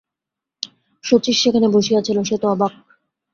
শচীশ সেখানে বসিয়াছিল, সে তো অবাক।